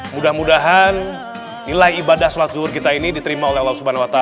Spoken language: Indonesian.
mudah mudahan nilai ibadah sholat zuhur kita ini diterima oleh allah swt